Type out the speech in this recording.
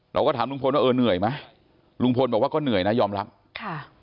เราก็ถามลุงพลว่าเออเหนื่อยไหมลุงพลบอกว่าก็เหนื่อยนะยอมรับค่ะ